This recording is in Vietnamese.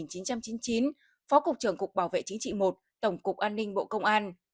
phó cục trưởng cục bảo vệ chính trị một tổng cục an ninh bộ công an